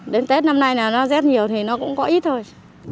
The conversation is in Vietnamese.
đến tết năm nay là nó rét nhiều thì nó cũng có ít thôi